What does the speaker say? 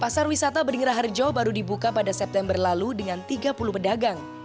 pasar wisata beringra harjo baru dibuka pada september lalu dengan tiga puluh pedagang